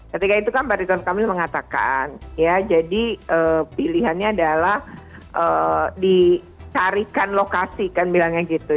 ketika itu kan pak ridwan kamil mengatakan ya jadi pilihannya adalah dicarikan lokasi kan bilangnya gitu